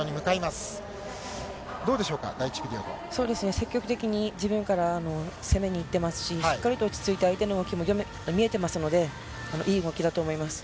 積極的に自分から攻めにいってますし、しっかりと落ち着いて相手の動きも見えてますので、いい動きだと思います。